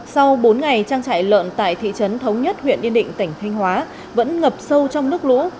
sau bốn ngày trang trại lợn tại thị trấn thống nhất huyện yên định tỉnh thanh hóa vẫn ngập sâu trong nước lũ